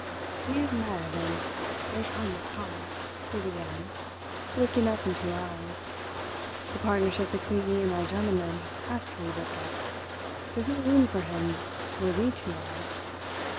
"We have met, and their time has come," he began, looking up into her eyes. "The partnership between me and my gentleman has to be ripped up. There's no room for him where we two are.